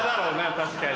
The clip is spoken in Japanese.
確かに。